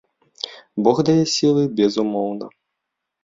Бог дае сілы, безумоўна.